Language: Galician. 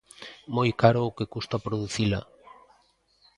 Moi caro o que custa producila.